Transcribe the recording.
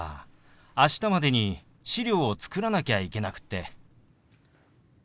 明日までに資料を作らなきゃいけなくって。